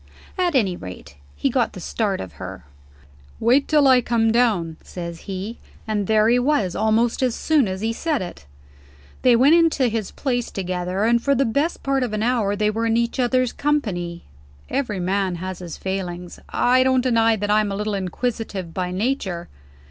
At any rate, he got the start of her. 'Wait till I come down,' says he and there he was, almost as soon as he said it. They went into his place together; and for best part of an hour they were in each other's company. Every man has his failings; I don't deny that I'm a little inquisitive by nature.